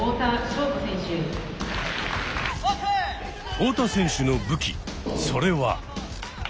太田選手の武器それは。